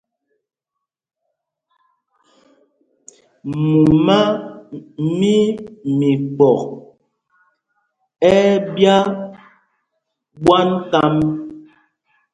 Mumá mí Mikpɔk ɛ́ ɛ́ ɓyá ɓwân kám.